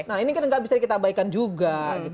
nah ini kan nggak bisa kita abaikan juga